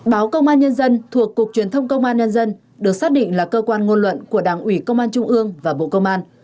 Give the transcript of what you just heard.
báo công an nhân dân thuộc cục truyền thông công an nhân dân được xác định là cơ quan ngôn luận của đảng ủy công an trung ương và bộ công an